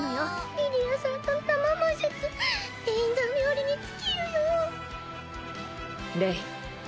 リディアさんの生魔術エインザー冥利に尽きるよレイ